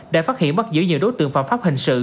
đã phát hiện bắt giữ nhiều đối tượng phạm pháp hình sự